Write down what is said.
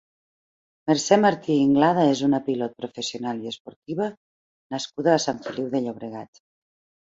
Mercè Martí Inglada és una pilot professional i esportiva nascuda a Sant Feliu de Llobregat.